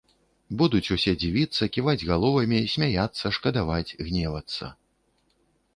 Будуць усе дзівіцца, ківаць галовамі, смяяцца, шкадаваць, гневацца.